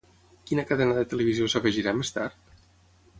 Quina cadena de televisió s'afegirà més tard?